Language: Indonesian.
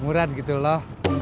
murad gitu loh